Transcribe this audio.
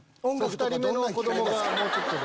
２人目子供が。